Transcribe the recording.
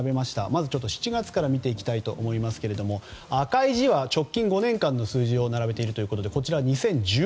まず７月から見ていきますが赤い字は直近５年間の数字を並べているということでこちらは２０１８年。